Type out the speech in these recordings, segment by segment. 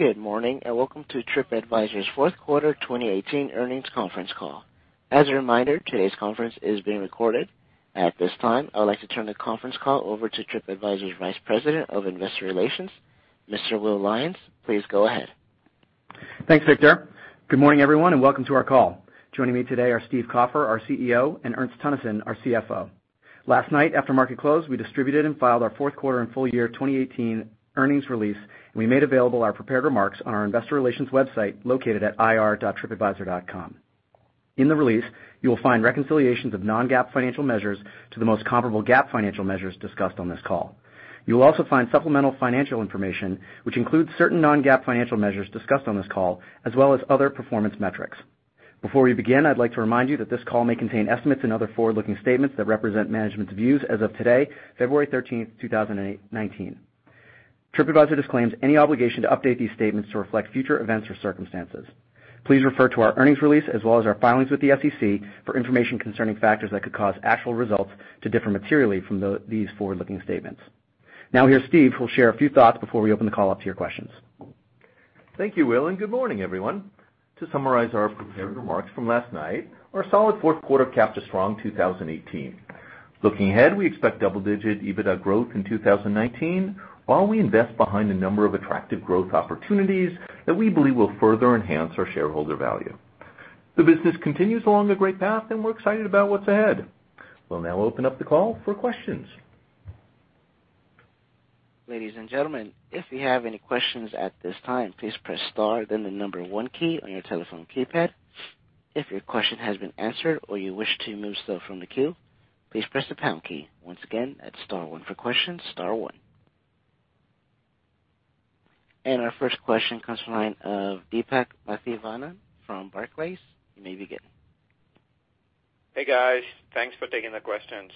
Good morning, and welcome to Tripadvisor's fourth quarter 2018 earnings conference call. As a reminder, today's conference is being recorded. At this time, I would like to turn the conference call over to Tripadvisor's Vice President of Investor Relations, Mr. Will Lyons. Please go ahead. Thanks, Victor. Good morning, everyone, and welcome to our call. Joining me today are Stephen Kaufer, our CEO, and Ernst Teunissen, our CFO. Last night after market close, we distributed and filed our fourth quarter and full year 2018 earnings release, and we made available our prepared remarks on our investor relations website located at ir.tripadvisor.com. In the release, you will find reconciliations of non-GAAP financial measures to the most comparable GAAP financial measures discussed on this call. You will also find supplemental financial information, which includes certain non-GAAP financial measures discussed on this call, as well as other performance metrics. Before we begin, I'd like to remind you that this call may contain estimates and other forward-looking statements that represent management's views as of today, February 13th, 2019. Tripadvisor disclaims any obligation to update these statements to reflect future events or circumstances. Please refer to our earnings release as well as our filings with the SEC for information concerning factors that could cause actual results to differ materially from these forward-looking statements. Now here's Steve, who will share a few thoughts before we open the call up to your questions. Thank you, Will, and good morning, everyone. To summarize our prepared remarks from last night, our solid fourth quarter capped a strong 2018. Looking ahead, we expect double-digit EBITDA growth in 2019 while we invest behind a number of attractive growth opportunities that we believe will further enhance our shareholder value. The business continues along a great path, and we're excited about what's ahead. We'll now open up the call for questions. Ladies and gentlemen, if you have any questions at this time, please press star then the number one key on your telephone keypad. If your question has been answered or you wish to move from the queue, please press the pound key. Once again, that's star one for questions, star one. Our first question comes from the line of Deepak Mathivanan from Barclays. You may begin. Hey, guys. Thanks for taking the questions.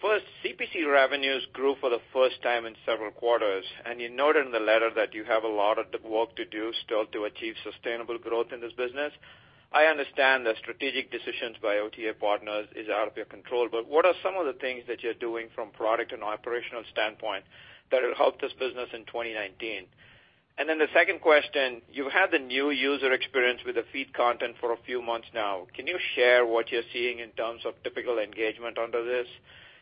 First, CPC revenues grew for the first time in several quarters, and you noted in the letter that you have a lot of work to do still to achieve sustainable growth in this business. I understand the strategic decisions by OTA partners is out of your control, but what are some of the things that you're doing from product and operational standpoint that will help this business in 2019? The second question, you've had the new user experience with the feed content for a few months now. Can you share what you're seeing in terms of typical engagement under this?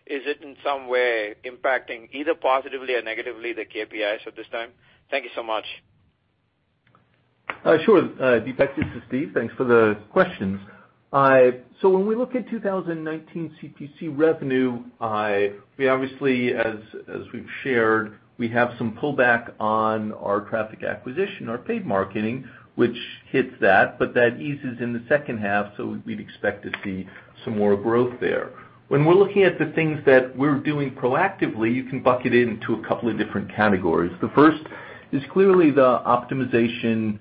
Is it in some way impacting either positively or negatively the KPIs at this time? Thank you so much. Sure, Deepak. This is Steve. Thanks for the questions. When we look at 2019 CPC revenue, we obviously as we've shared, we have some pullback on our traffic acquisition, our paid marketing, which hits that eases in the second half, we'd expect to see some more growth there. When we're looking at the things that we're doing proactively, you can bucket it into a couple of different categories. The first is clearly the optimization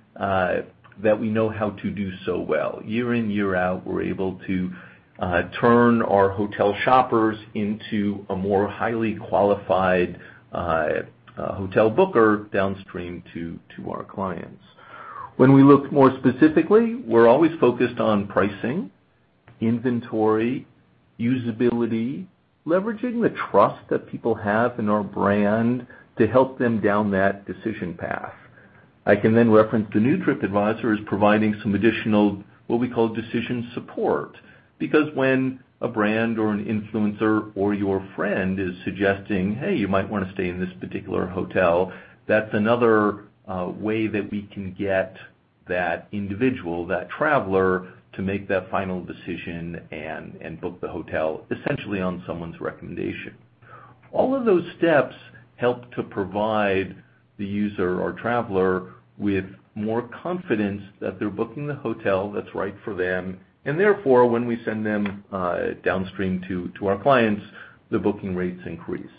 that we know how to do so well. Year in, year out, we're able to turn our hotel shoppers into a more highly qualified hotel booker downstream to our clients. When we look more specifically, we're always focused on pricing, inventory, usability, leveraging the trust that people have in our brand to help them down that decision path. I can then reference the new Tripadvisor is providing some additional what we call decision support, because when a brand or an influencer or your friend is suggesting, "Hey, you might want to stay in this particular hotel," that's another way that we can get that individual, that traveler, to make that final decision and book the hotel essentially on someone's recommendation. All of those steps help to provide the user or traveler with more confidence that they're booking the hotel that's right for them, therefore, when we send them downstream to our clients, the booking rates increase.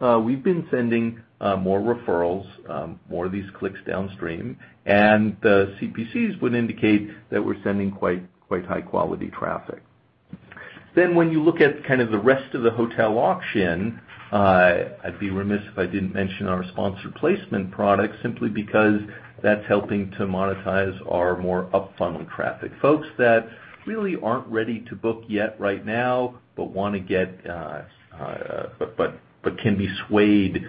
We've been sending more referrals, more of these clicks downstream, the CPCs would indicate that we're sending quite high quality traffic. When you look at kind of the rest of the hotel auction, I'd be remiss if I didn't mention our sponsored placement product simply because that's helping to monetize our more up funnel traffic. Folks that really aren't ready to book yet right now, but can be swayed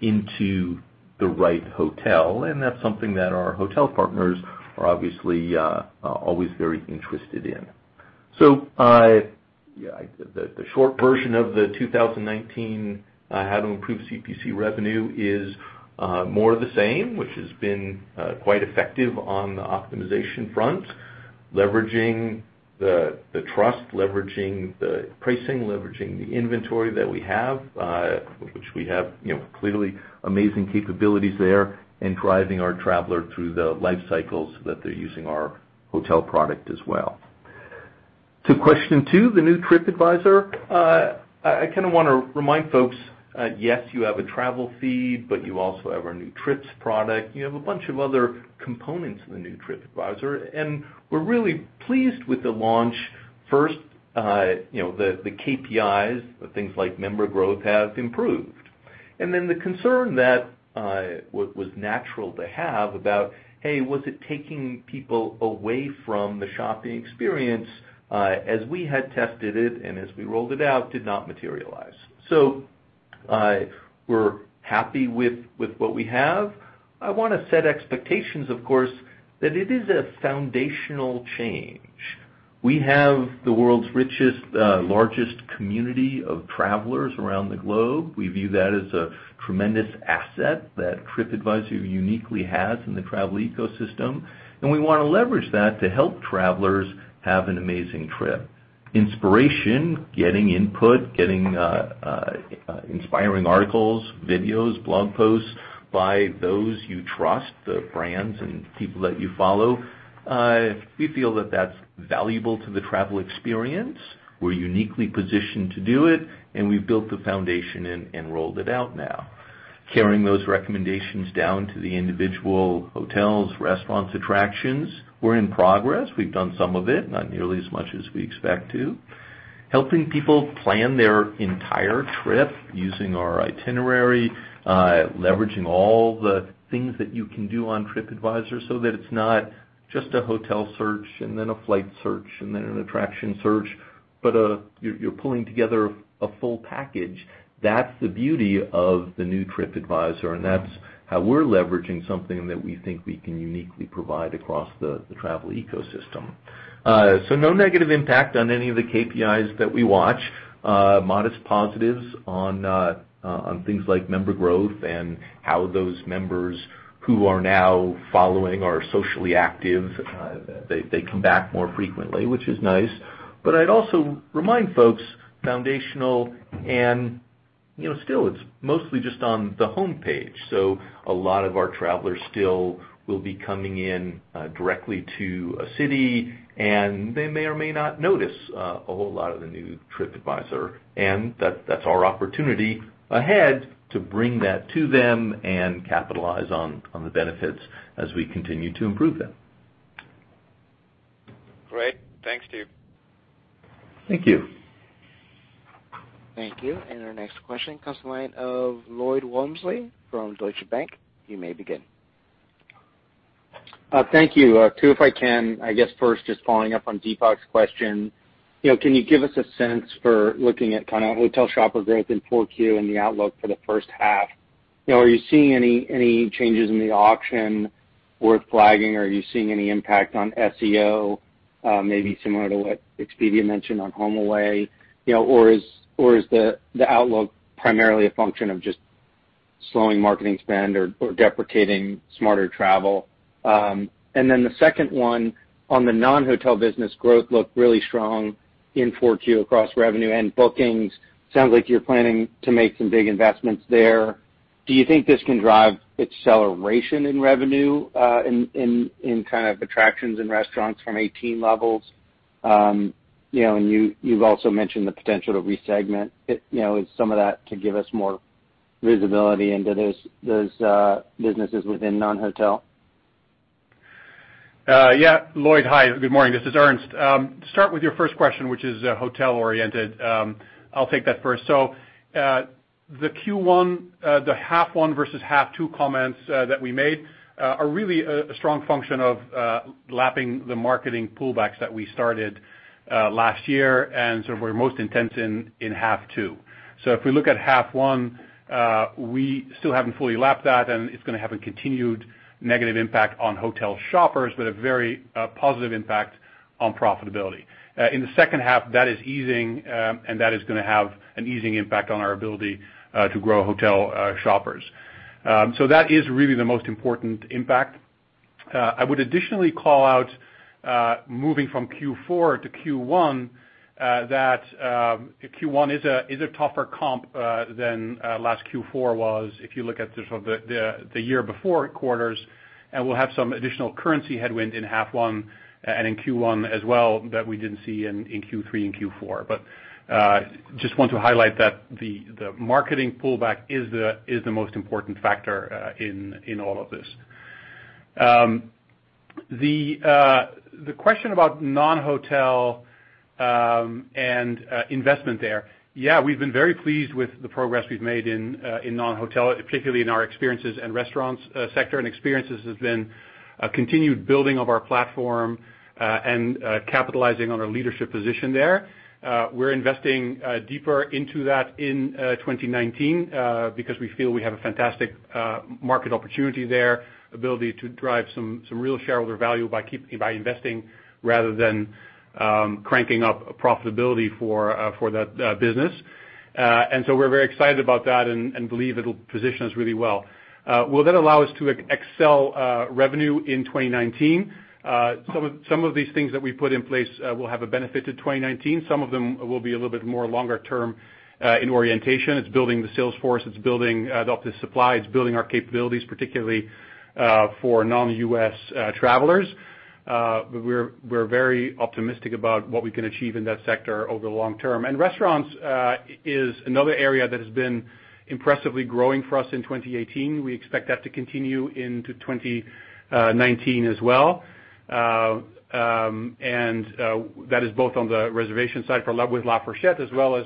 into the right hotel, and that's something that our hotel partners are obviously always very interested in. The short version of the 2019 how to improve CPC revenue is more of the same, which has been quite effective on the optimization front, leveraging the trust, leveraging the pricing, leveraging the inventory that we have, which we have clearly amazing capabilities there and driving our traveler through the life cycles that they're using our hotel product as well. To question two, the new Tripadvisor, I kind of want to remind folks, yes, you have a travel feed, but you also have our new trips product. You have a bunch of other components in the new Tripadvisor, and we're really pleased with the launch. First, the KPIs, the things like member growth have improved. The concern that was natural to have about, hey, was it taking people away from the shopping experience, as we had tested it and as we rolled it out, did not materialize. We're happy with what we have. I want to set expectations, of course, that it is a foundational change. We have the world's richest, largest community of travelers around the globe. We view that as a tremendous asset that Tripadvisor uniquely has in the travel ecosystem, and we want to leverage that to help travelers have an amazing trip. Inspiration, getting input, getting inspiring articles, videos, blog posts by those you trust, the brands and people that you follow, we feel that that's valuable to the travel experience. We're uniquely positioned to do it, and we've built the foundation and rolled it out now. Carrying those recommendations down to the individual hotels, restaurants, attractions, we're in progress. We've done some of it, not nearly as much as we expect to. Helping people plan their entire trip using our itinerary, leveraging all the things that you can do on Tripadvisor so that it's not just a hotel search and then a flight search and then an attraction search, but you're pulling together a full package. That's the beauty of the new Tripadvisor, and that's how we're leveraging something that we think we can uniquely provide across the travel ecosystem. No negative impact on any of the KPIs that we watch. Modest positives on things like member growth and how those members who are now following are socially active, they come back more frequently, which is nice. I'd also remind folks, foundational and still it's mostly just on the homepage. A lot of our travelers still will be coming in directly to a city, and they may or may not notice a whole lot of the new Tripadvisor, and that's our opportunity ahead to bring that to them and capitalize on the benefits as we continue to improve them. Great. Thanks, Steve. Thank you. Thank you. Our next question comes the line of Lloyd Walmsley from Deutsche Bank. You may begin. Thank you. Two if I can, I guess first, just following up on Deepak's question. Can you give us a sense for looking at hotel shopper growth in Q4 and the outlook for the first half? Are you seeing any changes in the auction worth flagging? Are you seeing any impact on SEO, maybe similar to what Expedia mentioned on HomeAway? Or is the outlook primarily a function of just slowing marketing spend or deprecating SmarterTravel? The second one, on the non-hotel business growth looked really strong in Q4 across revenue and bookings. Sounds like you're planning to make some big investments there. Do you think this can drive acceleration in revenue in attractions and restaurants from 2018 levels? You've also mentioned the potential to re-segment it. Is some of that to give us more visibility into those businesses within non-hotel? Lloyd. Hi, good morning. This is Ernst. Start with your first question, which is hotel oriented. I'll take that first. The Q1, the half one versus half two comments that we made are really a strong function of lapping the marketing pullbacks that we started last year and sort of were most intense in half two. If we look at half one, we still haven't fully lapped that, and it's going to have a continued negative impact on hotel shoppers, but a very positive impact on profitability. In the second half, that is easing, and that is going to have an easing impact on our ability to grow hotel shoppers. That is really the most important impact. I would additionally call out moving from Q4 to Q1, that Q1 is a tougher comp than last Q4 was if you look at the year before quarters, and we'll have some additional currency headwind in half one and in Q1 as well that we didn't see in Q3 and Q4. Just want to highlight that the marketing pullback is the most important factor in all of this. The question about non-hotel and investment there. We've been very pleased with the progress we've made in non-hotel, particularly in our experiences and restaurants sector, and experiences has been a continued building of our platform and capitalizing on our leadership position there. We're investing deeper into that in 2019 because we feel we have a fantastic market opportunity there, ability to drive some real shareholder value by investing rather than cranking up profitability for that business. We're very excited about that and believe it'll position us really well. Will that allow us to excel revenue in 2019? Some of these things that we put in place will have a benefit to 2019. Some of them will be a little bit more longer term in orientation. It's building the sales force. It's building out the supply. It's building our capabilities, particularly for non-U.S. travelers. We're very optimistic about what we can achieve in that sector over the long term. Restaurants is another area that has been impressively growing for us in 2018. We expect that to continue into 2019 as well, and that is both on the reservation side with LaFourchette as well as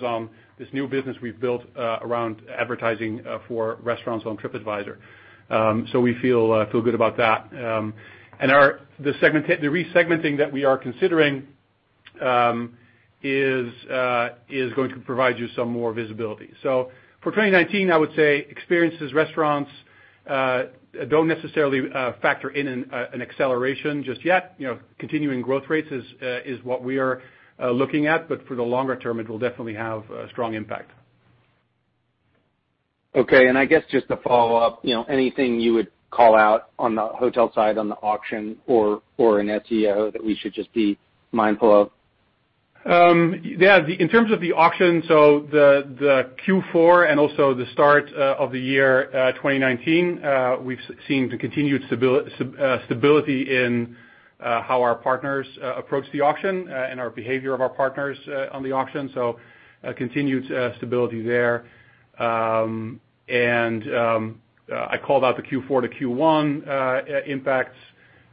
this new business we've built around advertising for restaurants on Tripadvisor. We feel good about that. The re-segmenting that we are considering is going to provide you some more visibility. For 2019, I would say experiences, restaurants don't necessarily factor in an acceleration just yet. Continuing growth rates is what we are looking at, but for the longer term, it will definitely have a strong impact. Okay. I guess just to follow up, anything you would call out on the hotel side, on the auction or in SEO that we should just be mindful of? Yeah. In terms of the auction, the Q4 and also the start of the year 2019, we've seen the continued stability in how our partners approach the auction and our behavior of our partners on the auction. Continued stability there. I called out the Q4 to Q1 impacts,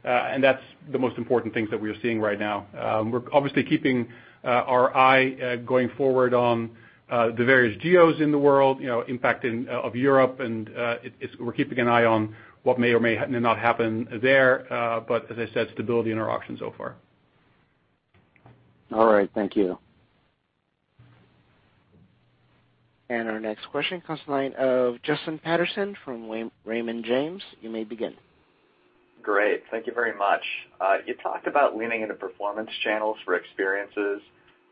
that's the most important things that we are seeing right now. We're obviously keeping our eye going forward on the various geos in the world, impact of Europe, we're keeping an eye on what may or may not happen there, as I said, stability in our auctions so far. All right. Thank you. Our next question comes to the line of Justin Patterson from Raymond James. You may begin. Great. Thank you very much. You talked about leaning into performance channels for experiences.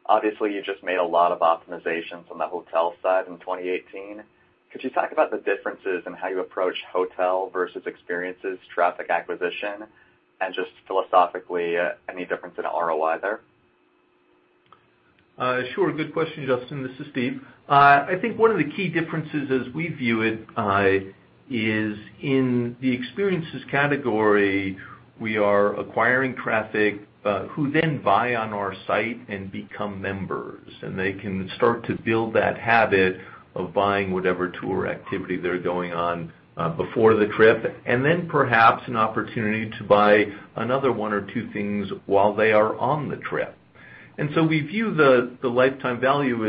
Obviously, you just made a lot of optimizations on the hotel side in 2018. Could you talk about the differences in how you approach hotel versus experiences, traffic acquisition, and just philosophically, any difference in ROI there? Sure. Good question, Justin. This is Steve. I think one of the key differences as we view it is in the experiences category, we are acquiring traffic who then buy on our site and become members, and they can start to build that habit of buying whatever tour activity they're going on before the trip, then perhaps an opportunity to buy another one or two things while they are on the trip. So we view the lifetime value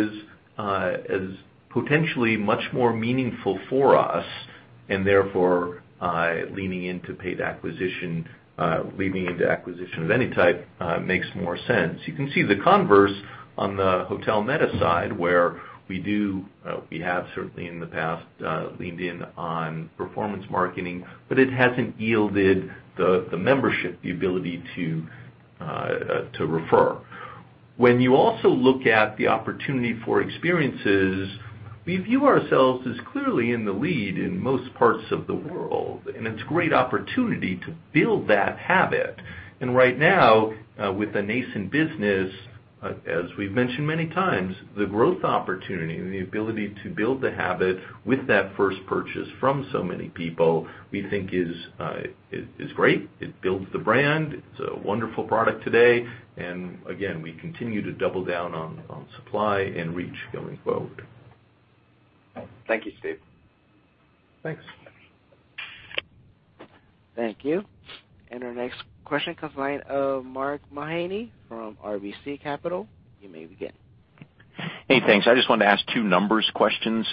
as potentially much more meaningful for us, therefore leaning into paid acquisition, leaning into acquisition of any type, makes more sense. You can see the converse on the hotel meta side, where we have certainly in the past leaned in on performance marketing, it hasn't yielded the membership the ability to refer. When you also look at the opportunity for experiences, we view ourselves as clearly in the lead in most parts of the world, it's a great opportunity to build that habit. Right now with the nascent business, as we've mentioned many times, the growth opportunity and the ability to build the habit with that first purchase from so many people we think is great. It builds the brand. It's a wonderful product today, we continue to double down on supply and reach going forward. Thank you, Steve. Thanks. Thank you. Our next question comes to the line of Mark Mahaney from RBC Capital. You may begin. Hey, thanks. I just wanted to ask two numbers questions.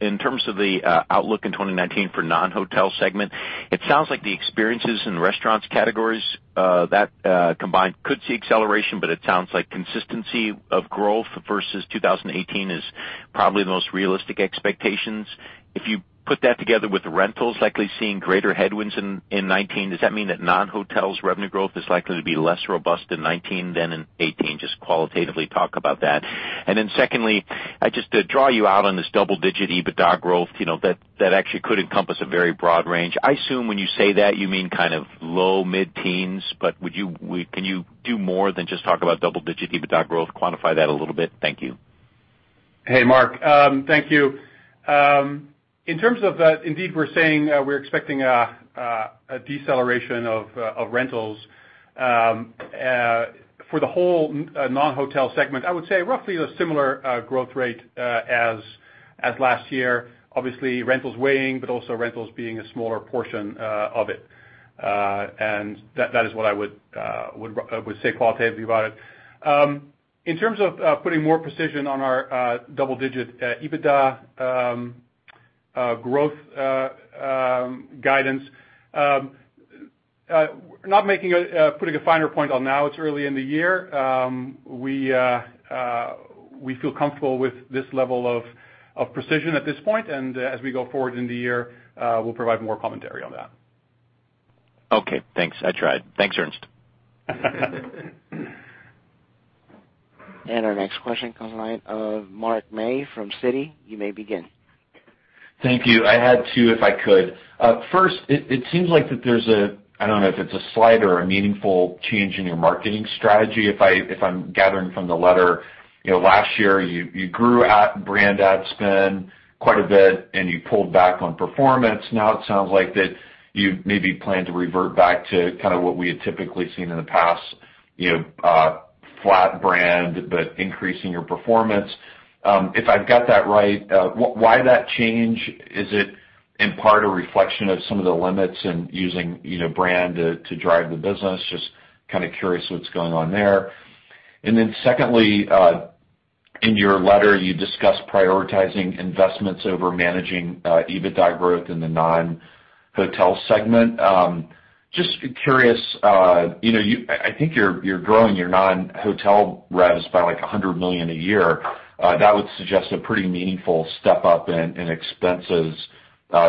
In terms of the outlook in 2019 for non-hotel segment, it sounds like the experiences and restaurants categories, that combined could see acceleration, but it sounds like consistency of growth versus 2018 is probably the most realistic expectations. If you put that together with the rentals likely seeing greater headwinds in 2019, does that mean that non-hotel's revenue growth is likely to be less robust in 2019 than in 2018? Just qualitatively talk about that. Then secondly, just to draw you out on this double-digit EBITDA growth, that actually could encompass a very broad range. I assume when you say that, you mean low, mid-teens, but can you do more than just talk about double-digit EBITDA growth? Quantify that a little bit. Thank you. Hey, Mark. Thank you. In terms of that, indeed, we're saying we're expecting a deceleration of rentals. For the whole non-hotel segment, I would say roughly a similar growth rate as last year. Obviously, rentals weighing, but also rentals being a smaller portion of it. That is what I would say qualitatively about it. In terms of putting more precision on our double-digit EBITDA growth guidance, not putting a finer point on now. It's early in the year. We feel comfortable with this level of precision at this point. As we go forward in the year, we'll provide more commentary on that. Okay, thanks. I tried. Thanks, Ernst. Our next question comes to the line of Mark May from Citi. You may begin. Thank you. I had two, if I could. First, it seems like that there's I don't know if it's a slight or a meaningful change in your marketing strategy, if I'm gathering from the letter. Last year you grew brand ad spend quite a bit and you pulled back on performance. Now it sounds like you maybe plan to revert back to what we had typically seen in the past, flat brand, but increasing your performance. If I've got that right why that change? Is it in part a reflection of some of the limits in using brand to drive the business? Just curious what's going on there. Secondly, In your letter, you discussed prioritizing investments over managing EBITDA growth in the non-hotel segment. Just curious, I think you're growing your non-hotel revs by $100 million a year. That would suggest a pretty meaningful step up in expenses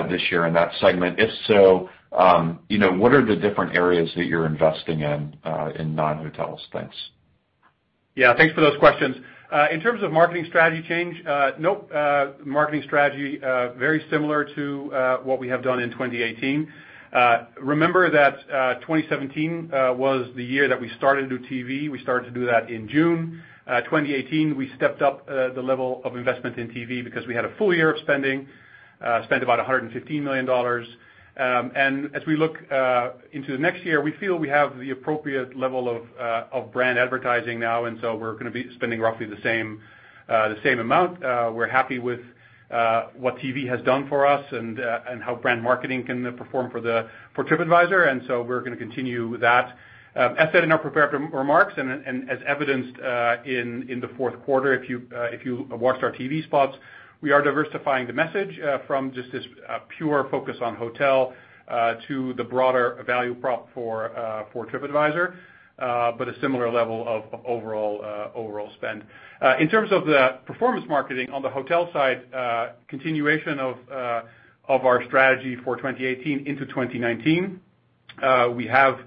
this year in that segment. If so, what are the different areas that you're investing in in non-hotels? Thanks. Thanks for those questions. In terms of marketing strategy change, nope. Marketing strategy, very similar to what we have done in 2018. Remember that 2017 was the year that we started to do TV. We started to do that in June. 2018, we stepped up the level of investment in TV because we had a full year of spending, spent about $115 million. As we look into the next year, we feel we have the appropriate level of brand advertising now, and so we're going to be spending roughly the same amount. We're happy with what TV has done for us and how brand marketing can perform for Tripadvisor, and so we're going to continue that. As said in our prepared remarks and as evidenced in the fourth quarter, if you watched our TV spots, we are diversifying the message from just this pure focus on hotel to the broader value prop for Tripadvisor, but a similar level of overall spend. In terms of the performance marketing on the hotel side, continuation of our strategy for 2018 into 2019. We have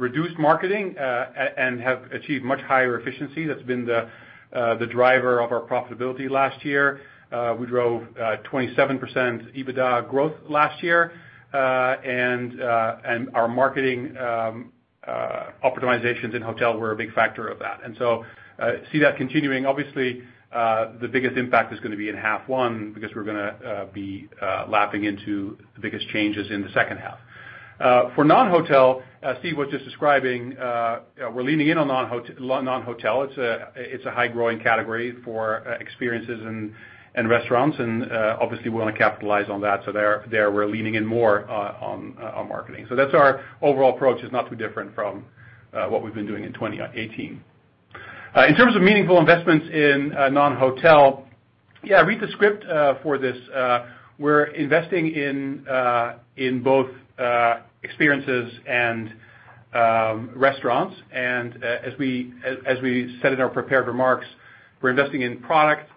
reduced marketing and have achieved much higher efficiency. That's been the driver of our profitability last year. We drove 27% EBITDA growth last year, and our marketing optimizations in hotel were a big factor of that. See that continuing. Obviously, the biggest impact is going to be in half one because we're going to be lapping into the biggest changes in the second half. For non-hotel, Steve was just describing, we're leaning in on non-hotel. It's a high-growing category for experiences and restaurants. Obviously we want to capitalize on that. There, we're leaning in more on marketing. That's our overall approach, is not too different from what we've been doing in 2018. In terms of meaningful investments in non-hotel, yeah, read the script for this. We're investing in both experiences and restaurants. As we said in our prepared remarks, we're investing in product,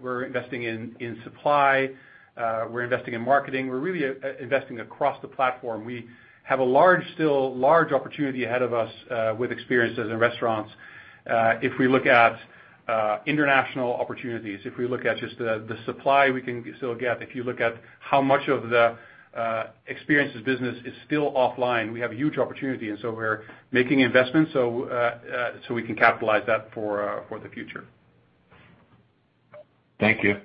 we're investing in supply, we're investing in marketing. We're really investing across the platform. We have a large opportunity ahead of us with experiences in restaurants if we look at international opportunities, if we look at just the supply we can still get, if you look at how much of the experiences business is still offline, we have a huge opportunity. We're making investments so we can capitalize that for the future. Thank you.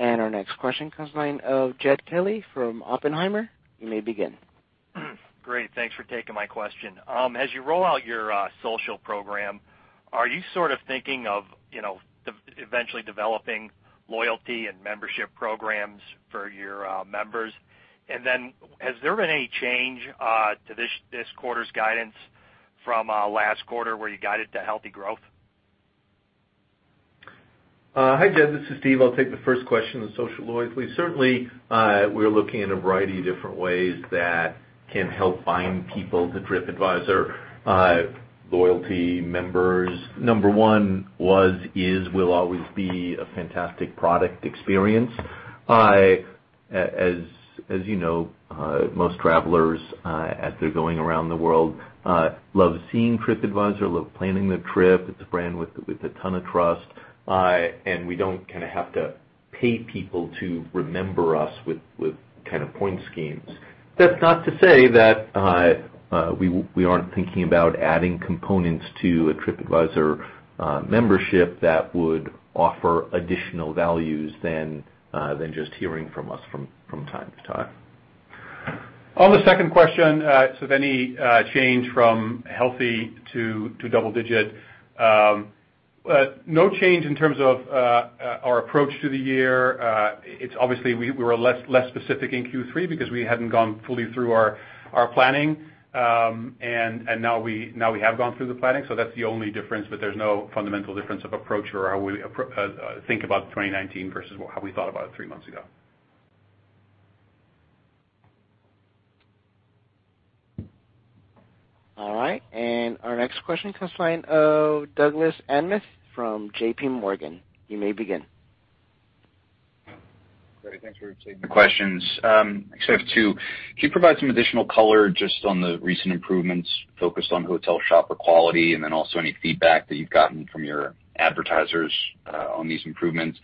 Our next question comes line of Jed Kelly from Oppenheimer. You may begin. Great, thanks for taking my question. As you roll out your social program, are you thinking of eventually developing loyalty and membership programs for your members? Has there been any change to this quarter's guidance from last quarter where you guided to healthy growth? Hi, Jed, this is Steve. I'll take the first question on social loyalty. Certainly, we're looking at a variety of different ways that can help bind people to Tripadvisor loyalty members. Number one was, is, will always be, a fantastic product experience. As you know, most travelers as they're going around the world love seeing Tripadvisor, love planning their trip. It's a brand with a ton of trust, and we don't have to pay people to remember us with point schemes. That's not to say that we aren't thinking about adding components to a Tripadvisor membership that would offer additional values than just hearing from us from time to time. On the second question, so if any change from healthy to double digit. No change in terms of our approach to the year. Obviously, we were less specific in Q3 because we hadn't gone fully through our planning, and now we have gone through the planning, so that's the only difference, but there's no fundamental difference of approach or how we think about 2019 versus how we thought about it three months ago. All right, our next question comes line of Douglas Anmuth from JPMorgan. You may begin. Thanks for taking the questions. Actually, I have two. Can you provide some additional color just on the recent improvements focused on hotel shopper quality, and then also any feedback that you've gotten from your advertisers on these improvements?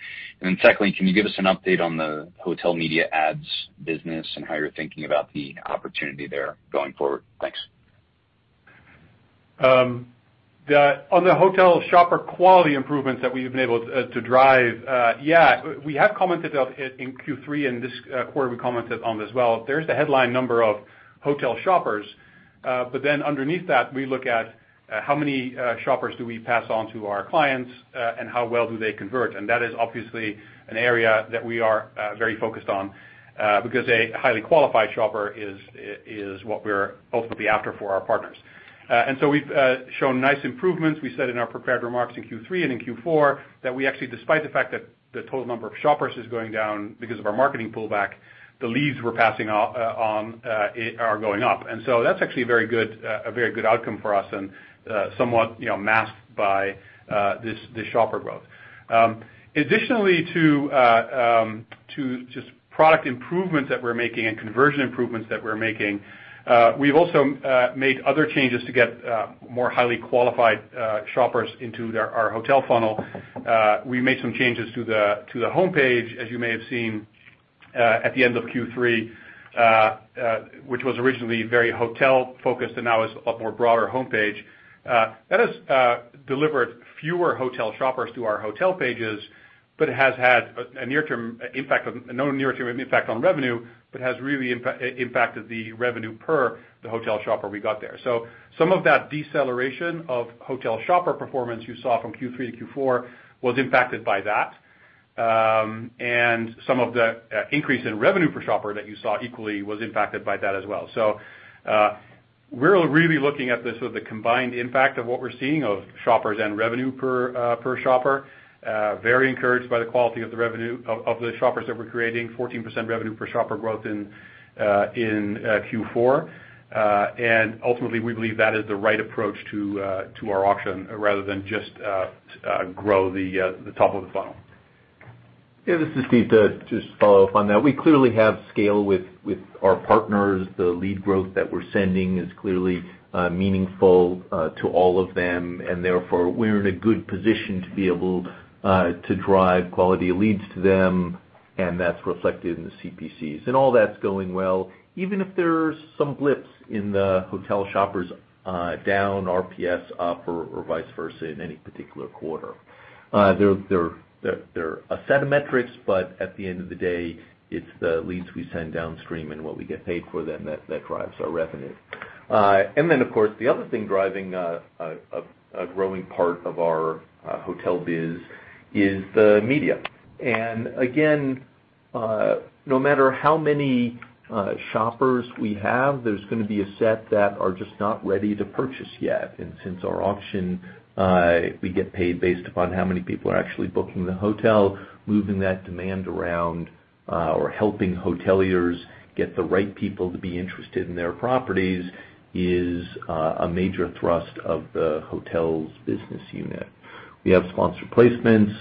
Secondly, can you give us an update on the hotel media ads business and how you're thinking about the opportunity there going forward? Thanks. On the hotel shopper quality improvements that we've been able to drive, we have commented on it in Q3, and this quarter we commented on it as well. There's the headline number of hotel shoppers. Underneath that, we look at how many shoppers do we pass on to our clients, and how well do they convert. That is obviously an area that we are very focused on, because a highly qualified shopper is what we're ultimately after for our partners. We've shown nice improvements. We said in our prepared remarks in Q3 and in Q4 that we actually, despite the fact that the total number of shoppers is going down because of our marketing pullback, the leads we're passing on are going up. That's actually a very good outcome for us and somewhat masked by this shopper growth. Additionally, to just product improvements that we're making and conversion improvements that we're making, we've also made other changes to get more highly qualified shoppers into our hotel funnel. We made some changes to the homepage, as you may have seen, at the end of Q3, which was originally very hotel focused and now is a more broader homepage. That has delivered fewer hotel shoppers to our hotel pages, but has had no near-term impact on revenue, but has really impacted the revenue per the hotel shopper we got there. Some of that deceleration of hotel shopper performance you saw from Q3 to Q4 was impacted by that. Some of the increase in revenue per shopper that you saw equally was impacted by that as well. We're really looking at the combined impact of what we're seeing of shoppers and revenue per shopper. Very encouraged by the quality of the shoppers that we're creating, 14% revenue per shopper growth in Q4. Ultimately, we believe that is the right approach to our auction rather than just grow the top of the funnel. This is Steve. To just follow up on that, we clearly have scale with our partners. The lead growth that we're sending is clearly meaningful to all of them, therefore, we're in a good position to be able to drive quality leads to them, and that's reflected in the CPCs. All that's going well. Even if there's some blips in the hotel shoppers down, RPS up, or vice versa in any particular quarter. They're a set of metrics, but at the end of the day, it's the leads we send downstream and what we get paid for them that drives our revenue. Of course, the other thing driving a growing part of our hotel biz is the media. Again, no matter how many shoppers we have, there's going to be a set that are just not ready to purchase yet. Since our auction, we get paid based upon how many people are actually booking the hotel, moving that demand around, or helping hoteliers get the right people to be interested in their properties is a major thrust of the hotels business unit. We have sponsored placements.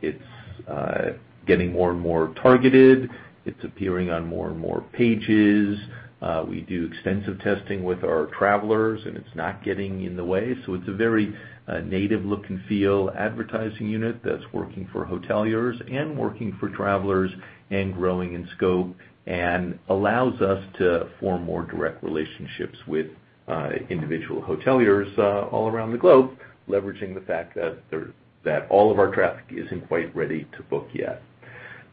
It's getting more and more targeted. It's appearing on more and more pages. We do extensive testing with our travelers, and it's not getting in the way. It's a very native look and feel advertising unit that's working for hoteliers and working for travelers and growing in scope and allows us to form more direct relationships with individual hoteliers all around the globe, leveraging the fact that all of our traffic isn't quite ready to book yet.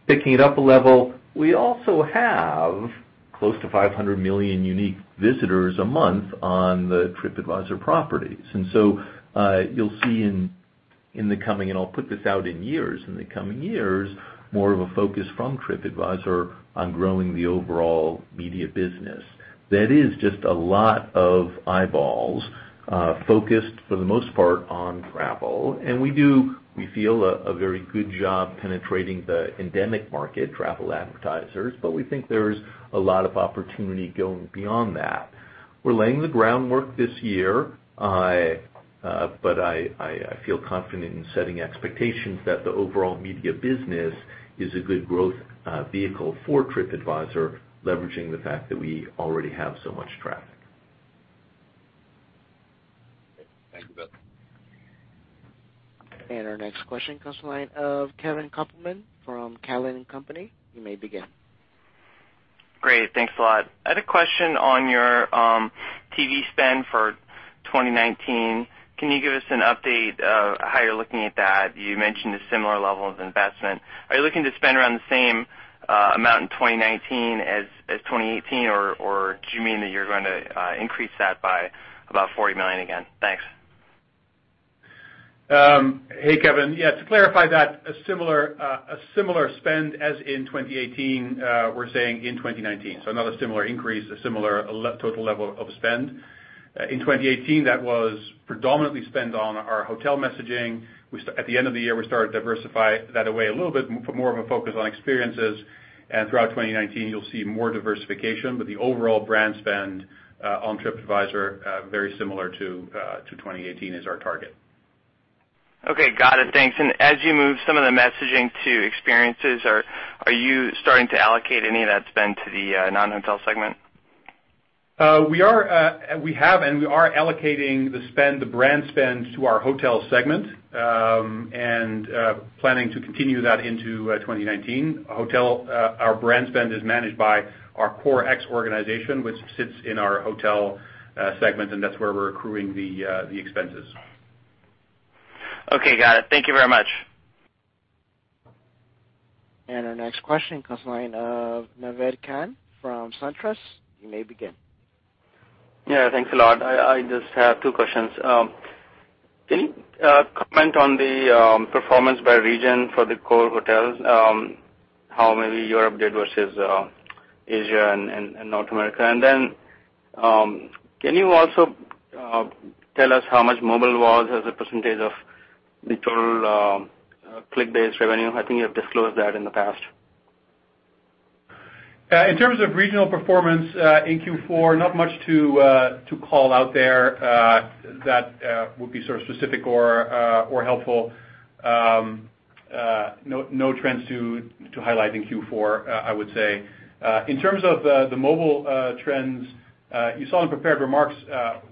Picking it up a level, we also have close to 500 million unique visitors a month on the Tripadvisor properties. You'll see in the coming, and I'll put this out in years, in the coming years, more of a focus from Tripadvisor on growing the overall media business. That is just a lot of eyeballs focused for the most part on travel. We feel a very good job penetrating the endemic market travel advertisers, but we think there's a lot of opportunity going beyond that. We're laying the groundwork this year, but I feel confident in setting expectations that the overall media business is a good growth vehicle for Tripadvisor, leveraging the fact that we already have so much traffic. Thank you. Our next question comes to the line of Kevin Kopelman from Cowen and Company. You may begin. Great. Thanks a lot. I had a question on your TV spend for 2019. Can you give us an update how you're looking at that? You mentioned a similar level of investment. Are you looking to spend around the same amount in 2019 as 2018, or do you mean that you're going to increase that by about $40 million again? Thanks. Hey, Kevin. Yeah, to clarify that, a similar spend as in 2018, we're saying in 2019. Not a similar increase, a similar total level of spend. In 2018, that was predominantly spent on our hotel messaging. At the end of the year, we started to diversify that away a little bit, more of a focus on experiences. Throughout 2019, you'll see more diversification, but the overall brand spend on Tripadvisor, very similar to 2018 is our target. Okay. Got it. Thanks. As you move some of the messaging to experiences, are you starting to allocate any of that spend to the non-hotel segment? We are allocating the brand spend to our hotel segment, planning to continue that into 2019. Our brand spend is managed by our CoreX organization, which sits in our hotel segment, that's where we're accruing the expenses. Okay, got it. Thank you very much. Our next question comes from the line of Naved Khan from SunTrust. You may begin. Thanks a lot. I just have two questions. Can you comment on the performance by region for the Core hotels? How maybe Europe did versus Asia and North America? Can you also tell us how much mobile was as a percentage of the total click-based revenue? I think you have disclosed that in the past/ In terms of regional performance in Q4, not much to call out there that would be sort of specific or helpful. No trends to highlight in Q4, I would say. In terms of the mobile trends, you saw in prepared remarks,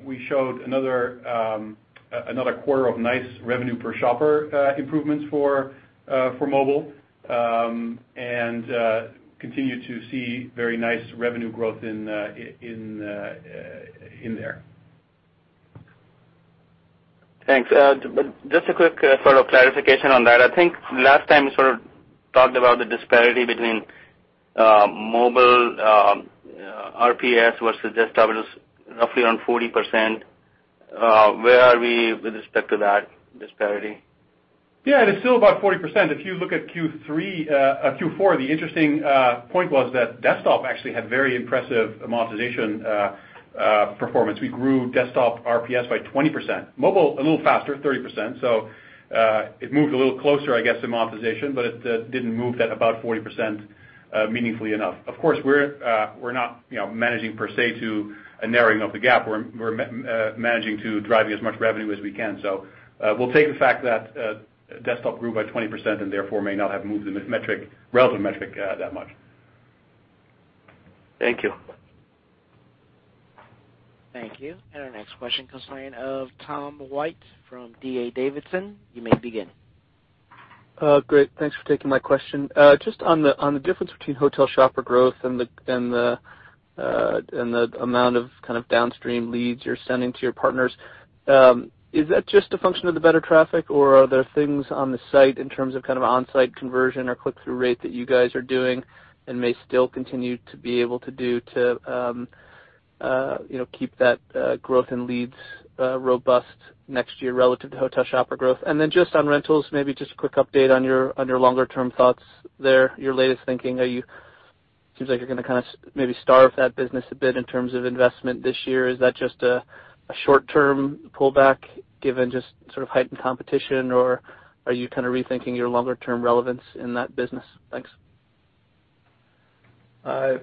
we showed another quarter of nice revenue per shopper improvements for mobile, and continue to see very nice revenue growth in there. Thanks. Just a quick sort of clarification on that. I think last time you sort of talked about the disparity between mobile RPS versus desktop. It was roughly around 40%. Where are we with respect to that disparity? Yeah, it is still about 40%. If you look at Q4, the interesting point was that desktop actually had very impressive monetization performance. We grew desktop RPS by 20%. Mobile, a little faster, 30%. It moved a little closer, I guess, to monetization, but it didn't move that about 40% meaningfully enough. Of course, we're not managing per se to a narrowing of the gap. We're managing to driving as much revenue as we can. We'll take the fact that desktop grew by 20% and therefore may not have moved the relative metric that much. Thank you. Thank you. Our next question comes from the line of Tom White from D.A. Davidson. You may begin. Thanks for taking my question. On the difference between hotel shopper growth and the amount of kind of downstream leads you're sending to your partners, is that just a function of the better traffic, or are there things on the site in terms of kind of onsite conversion or click-through rate that you guys are doing and may still continue to be able to do to keep that growth in leads robust next year relative to hotel shopper growth? On rentals, maybe just a quick update on your longer-term thoughts there, your latest thinking. It seems like you're going to kind of maybe starve that business a bit in terms of investment this year. Is that just a short-term pullback given just sort of heightened competition, or are you kind of rethinking your longer-term relevance in that business? Thanks. Hi,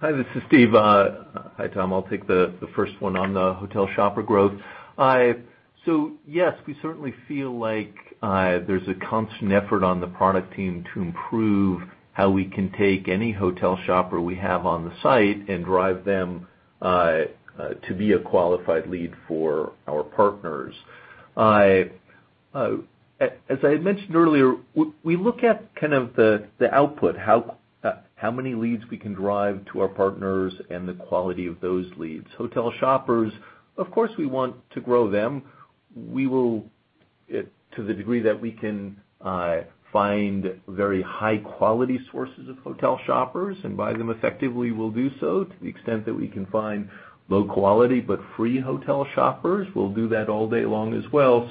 this is Steve. Hi, Tom. I'll take the first one on the hotel shopper growth. Yes, we certainly feel like there's a constant effort on the product team to improve how we can take any hotel shopper we have on the site and drive them to be a qualified lead for our partners. As I had mentioned earlier, we look at kind of the output, how many leads we can drive to our partners and the quality of those leads. Hotel shoppers, of course, we want to grow them. To the degree that we can find very high-quality sources of hotel shoppers and buy them effectively, we'll do so. To the extent that we can find low-quality but free hotel shoppers, we'll do that all day long as well.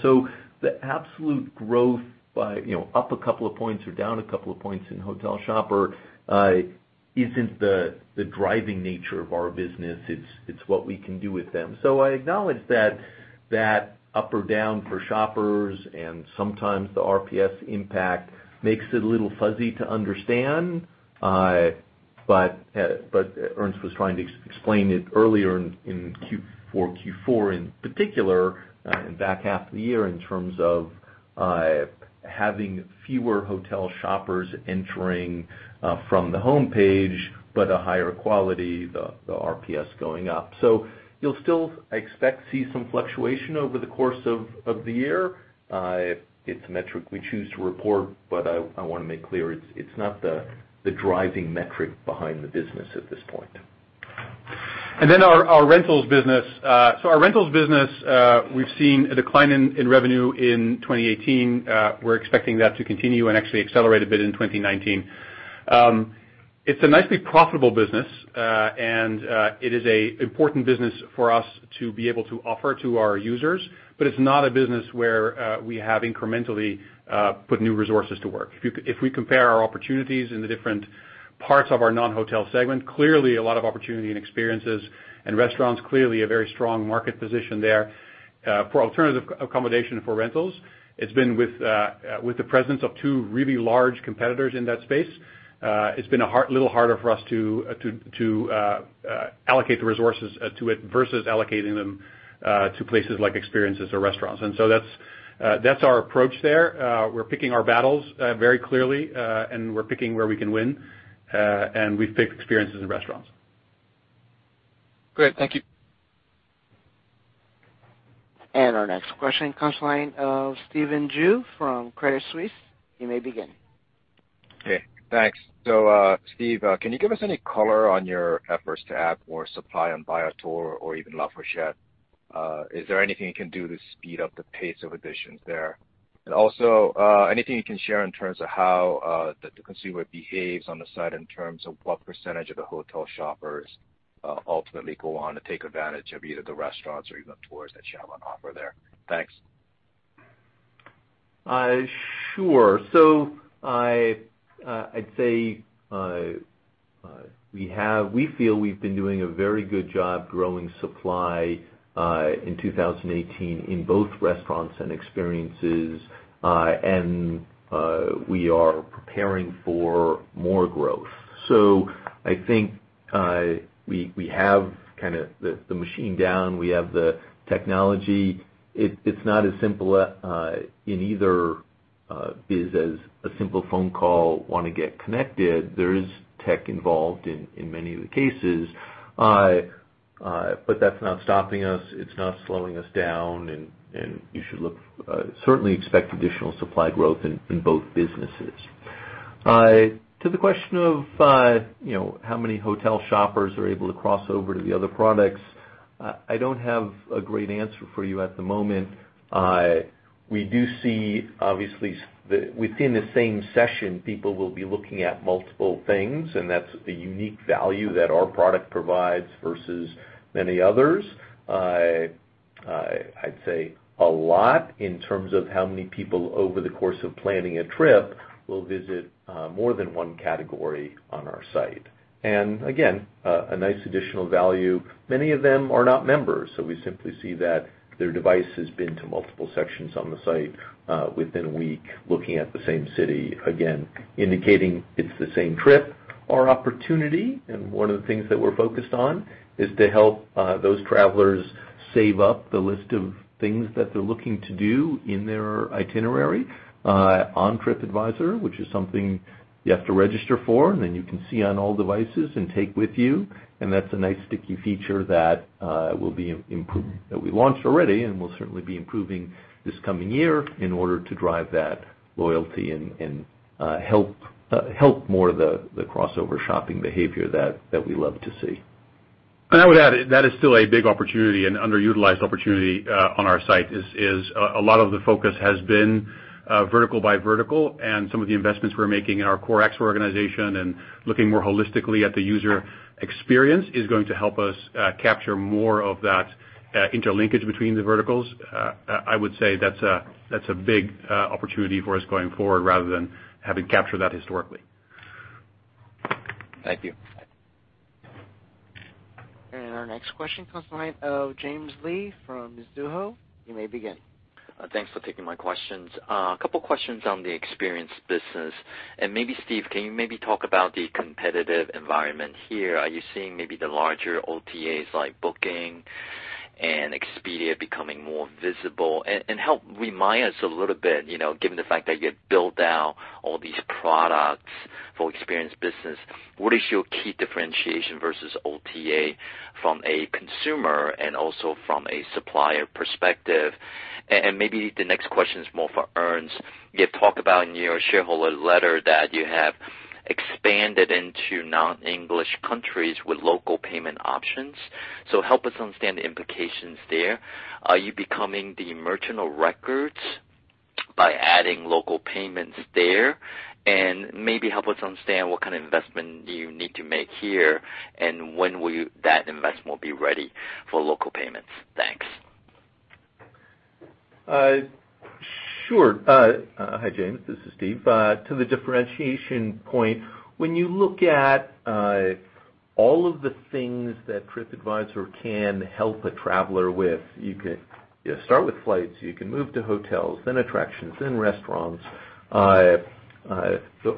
The absolute growth by up a couple of points or down a couple of points in hotel shopper isn't the driving nature of our business. It's what we can do with them. I acknowledge that up or down for shoppers and sometimes the RPS impact makes it a little fuzzy to understand. Ernst was trying to explain it earlier in Q4 in particular, and back half of the year in terms of having fewer hotel shoppers entering from the homepage, but a higher quality, the RPS going up. You'll still, I expect, see some fluctuation over the course of the year. It's a metric we choose to report, but I want to make clear it's not the driving metric behind the business at this point. Our rentals business. Our rentals business, we've seen a decline in revenue in 2018. We're expecting that to continue and actually accelerate a bit in 2019. It's a nicely profitable business, and it is a important business for us to be able to offer to our users. It's not a business where we have incrementally put new resources to work. If we compare our opportunities in the different parts of our non-hotel segment, clearly a lot of opportunity and experiences and restaurants, clearly a very strong market position there. For alternative accommodation for rentals, with the presence of two really large competitors in that space, it's been a little harder for us to allocate the resources to it versus allocating them to places like experiences or restaurants. That's our approach there. We're picking our battles very clearly, and we're picking where we can win. We've picked experiences and restaurants. Great. Thank you. Our next question comes from the line of Stephen Ju from Credit Suisse. You may begin. Okay, thanks. Steve, can you give us any color on your efforts to add more supply on Viator or even LaFourchette? Is there anything you can do to speed up the pace of additions there? Also, anything you can share in terms of how the consumer behaves on the site in terms of what percentage of the hotel shoppers ultimately go on to take advantage of either the restaurants or even tours that you have on offer there? Thanks. Sure. I'd say we feel we've been doing a very good job growing supply in 2018 in both restaurants and experiences. We are preparing for more growth. I think we have the machine down, we have the technology. It's not as simple in either biz as a simple phone call, want to get connected. There is tech involved in many of the cases, but that's not stopping us. It's not slowing us down, and you should certainly expect additional supply growth in both businesses. To the question of how many hotel shoppers are able to cross over to the other products, I don't have a great answer for you at the moment. We do see, obviously, within the same session, people will be looking at multiple things, and that's a unique value that our product provides versus many others. I'd say a lot in terms of how many people over the course of planning a trip will visit more than one category on our site. Again, a nice additional value, many of them are not members, we simply see that their device has been to multiple sections on the site within a week, looking at the same city again, indicating it's the same trip or opportunity. One of the things that we're focused on is to help those travelers save up the list of things that they're looking to do in their itinerary on Tripadvisor, which is something you have to register for, and then you can see on all devices and take with you. That's a nice sticky feature that we launched already. We'll certainly be improving this coming year in order to drive that loyalty and help more of the crossover shopping behavior that we love to see. I would add, that is still a big opportunity, an underutilized opportunity on our site is a lot of the focus has been vertical by vertical, and some of the investments we're making in our CoreX organization and looking more holistically at the user experience is going to help us capture more of that interlinkage between the verticals. I would say that's a big opportunity for us going forward rather than having captured that historically. Thank you. Our next question comes from the line of James Lee from Mizuho. You may begin. Thanks for taking my questions. A couple questions on the experience business, and maybe Steve, can you maybe talk about the competitive environment here? Are you seeing maybe the larger OTAs like Booking and Expedia becoming more visible? Help remind us a little bit, given the fact that you built out all these products for experience business, what is your key differentiation versus OTA from a consumer and also from a supplier perspective? Maybe the next question is more for Ernst. You have talked about in your shareholder letter that you have expanded into non-English countries with local payment options. Help us understand the implications there. Are you becoming the merchant of record by adding local payments there? Maybe help us understand what kind of investment do you need to make here, and when will that investment be ready for local payments? Thanks. Sure. Hi, James. This is Steve. To the differentiation point, when you look at all of the things that Tripadvisor can help a traveler with, you start with flights, you can move to hotels, then attractions, then restaurants. The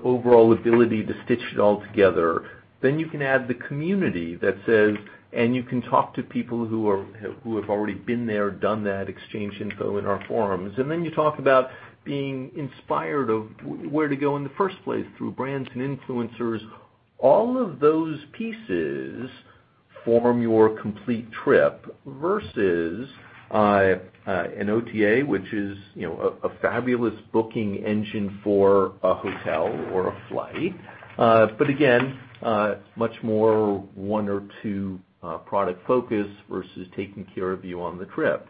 overall ability to stitch it all together, then you can add the community that says, you can talk to people who have already been there, done that, exchanged info in our forums. You talk about being inspired of where to go in the first place through brands and influencers. All of those pieces form your complete trip versus an OTA, which is a fabulous booking engine for a hotel or a flight. Again, much more one or two product focus versus taking care of you on the trip.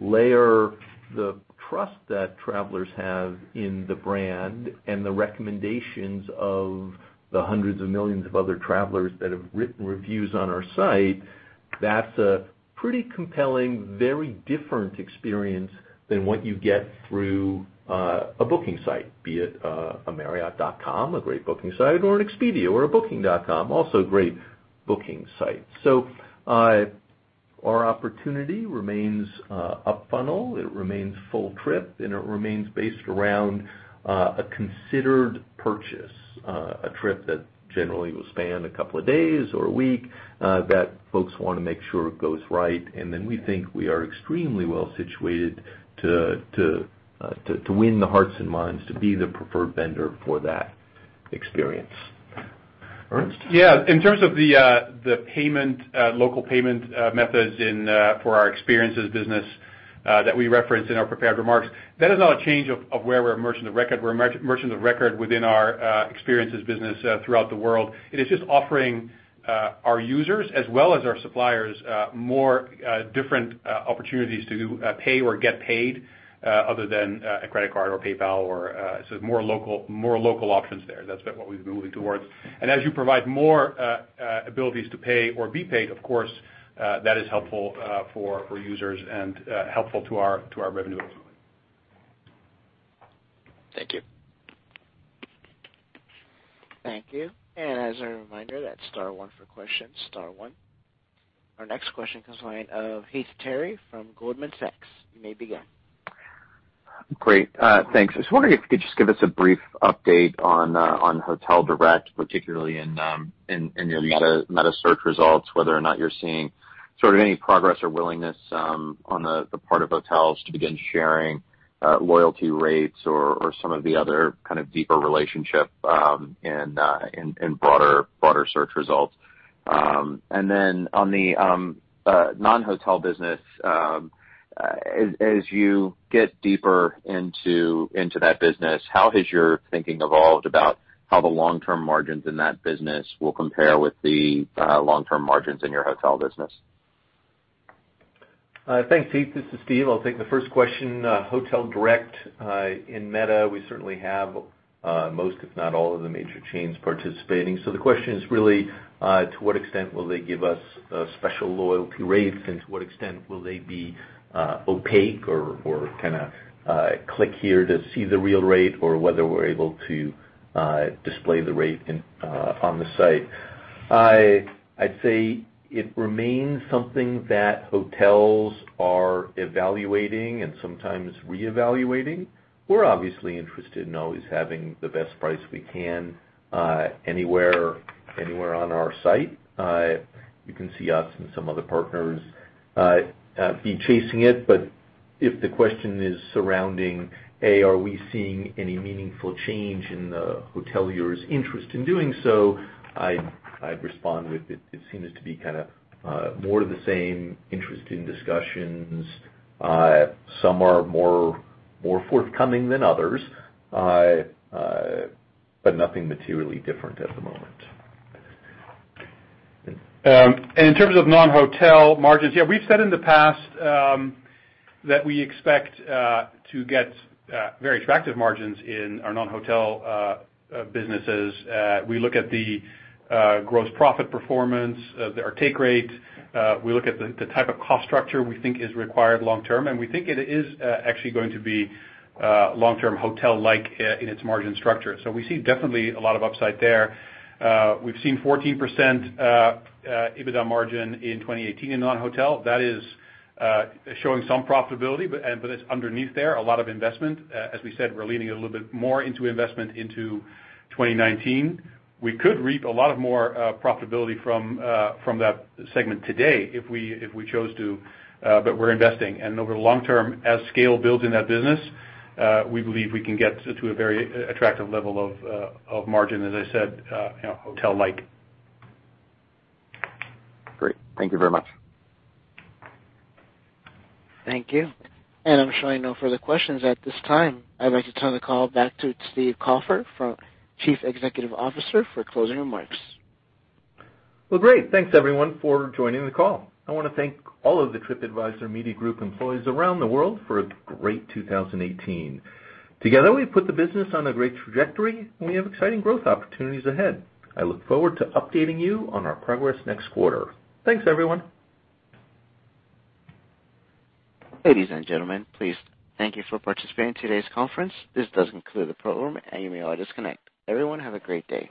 Layer the trust that travelers have in the brand and the recommendations of the hundreds of millions of other travelers that have written reviews on our site, that's a pretty compelling, very different experience than what you get through a booking site, be it a marriott.com, a great booking site, or an Expedia or a Booking.com, also great booking site. Our opportunity remains up funnel, it remains full trip, and it remains based around a considered purchase, a trip that generally will span a couple of days or a week that folks want to make sure it goes right. We think we are extremely well situated to win the hearts and minds to be the preferred vendor for that experience. Ernst? Yeah. In terms of the local payment methods for our experiences business that we referenced in our prepared remarks, that is not a change of where we're merchant of record. We're merchant of record within our experiences business throughout the world. It is just offering our users, as well as our suppliers, more different opportunities to pay or get paid other than a credit card or PayPal. More local options there. That's what we've been moving towards. As you provide more abilities to pay or be paid, of course, that is helpful for users and helpful to our revenue ultimately. Thank you. Thank you. As a reminder, that's star one for questions. Star one. Our next question comes line of Heath Terry from Goldman Sachs. You may begin. Great. Thanks. I was wondering if you could just give us a brief update on hotel direct, particularly in your meta search results, whether or not you're seeing sort of any progress or willingness on the part of hotels to begin sharing loyalty rates or some of the other kind of deeper relationship in broader search results. On the non-hotel business, as you get deeper into that business, how has your thinking evolved about how the long-term margins in that business will compare with the long-term margins in your hotel business? Thanks, Heath. This is Steve. I'll take the first question. Hotel direct in meta, we certainly have most, if not all, of the major chains participating. The question is really, to what extent will they give us special loyalty rates, and to what extent will they be opaque or kind of click here to see the real rate or whether we're able to display the rate on the site. I'd say it remains something that hotels are evaluating and sometimes reevaluating. We're obviously interested in always having the best price we can anywhere on our site. You can see us and some other partners be chasing it. If the question is surrounding, A, are we seeing any meaningful change in the hoteliers' interest in doing so, I'd respond with, it seems to be more the same interest in discussions. Some are more forthcoming than others but nothing materially different at the moment. In terms of non-hotel margins, yeah, we've said in the past that we expect to get very attractive margins in our non-hotel businesses. We look at the gross profit performance, our take rate. We look at the type of cost structure we think is required long-term, and we think it is actually going to be long-term hotel-like in its margin structure. We see definitely a lot of upside there. We've seen 14% EBITDA margin in 2018 in non-hotel. That is showing some profitability, but it's underneath there, a lot of investment. As we said, we're leaning a little bit more into investment into 2019. We could reap a lot more profitability from that segment today if we chose to, but we're investing. Over the long-term, as scale builds in that business, we believe we can get to a very attractive level of margin, as I said, hotel-like. Great. Thank you very much. Thank you. I'm showing no further questions at this time. I'd like to turn the call back to Steve Kaufer, Chief Executive Officer, for closing remarks. Well, great. Thanks everyone for joining the call. I want to thank all of the Tripadvisor Media Group employees around the world for a great 2018. Together, we've put the business on a great trajectory, and we have exciting growth opportunities ahead. I look forward to updating you on our progress next quarter. Thanks, everyone. Ladies and gentlemen, thank you for participating in today's conference. This does conclude the program, and you may all disconnect. Everyone have a great day.